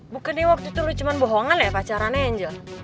bukannya waktu itu lu cuman bohongan ya pacarannya angel